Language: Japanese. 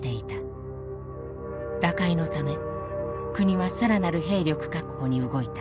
打開のため国は更なる兵力確保に動いた。